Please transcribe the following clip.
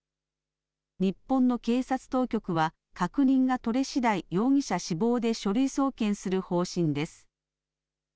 日本の警察当局は、確認が取れしだい、容疑者死亡で書類送検する方針です。